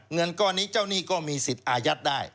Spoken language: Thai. เงินก้อนนี้เจ้าหนี้ก็มีสิทธิ์อายัดได้